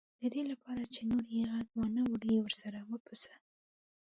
د دې لپاره چې نور یې غږ وانه وري ورسره وپسه.